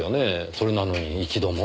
それなのに一度も？